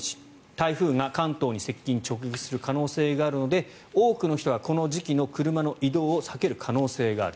台風が関東に接近、直撃する可能性があるので多くの人はこの時期の車の移動を避ける可能性がある。